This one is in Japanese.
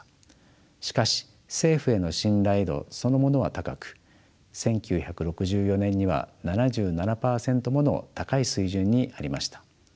しかし政府への信頼度そのものは高く１９６４年には７７％もの高い水準にありました。